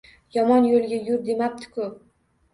Yomon yoʻlga yur demabdi-ku